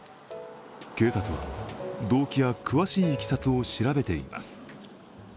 警察は、動機や詳しいいきさつを調べています。